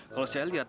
kalau saya lihat